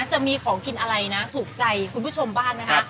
จะมีของกินอะไรนะถูกใจคุณผู้ชมบ้างนะคะ